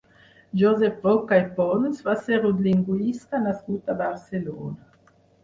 Josep Roca i Pons va ser un lingüista nascut a Barcelona.